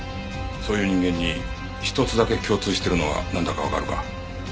そういう人間に一つだけ共通しているのはなんだかわかるか？